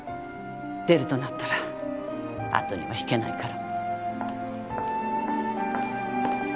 出るとなったら後には引けないから。